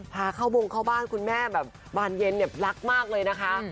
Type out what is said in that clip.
ผ่าเข้าวงเข้าบ้านคุณแม่บางห์เย็นรักมากเลยนะคะ